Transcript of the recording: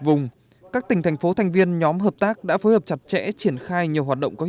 vùng các tỉnh thành phố thành viên nhóm hợp tác đã phối hợp chặt chẽ triển khai nhiều hoạt động có